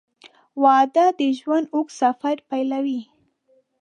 • واده د ژوند اوږد سفر پیلوي.